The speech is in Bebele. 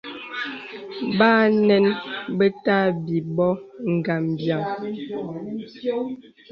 Bà ànəŋ be tà àbī bô ngambīaŋ.